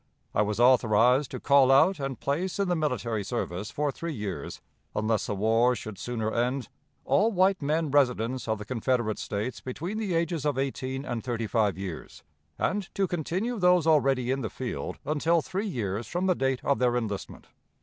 I was authorized to call out and place in the military service for three years, unless the war should sooner end, all white men residents of the Confederate States between the ages of eighteen and thirty five years, and to continue those already in the field until three years from the date of their enlistment.